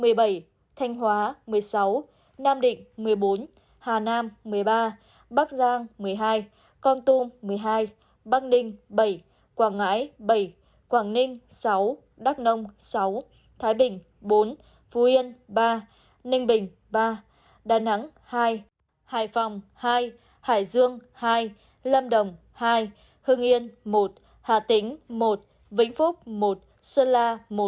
bình thuận một mươi bảy thanh hóa một mươi sáu nam định một mươi bốn hà nam một mươi ba bắc giang một mươi hai con tum một mươi hai bắc đinh bảy quảng ngãi bảy quảng ninh sáu đắc nông sáu thái bình bốn phú yên ba ninh bình ba đà nẵng hai hải phòng hai hải dương hai lâm đồng hai hưng yên một hà tính một vĩnh phúc một sơn la một